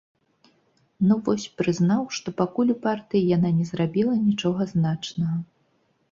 Ну, вось, прызнаў, што пакуль ў партыі, яна не зрабіла нічога значнага.